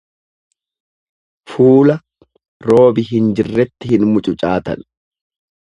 Fuula roobi hin jirretti hin mucucaatan.